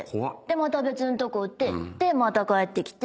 また別のとこ売ってまた帰ってきて。